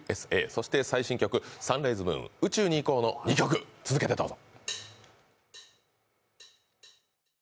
そして最新曲「サンライズ・ムーン宇宙に行こう」の２曲続けてどうぞ。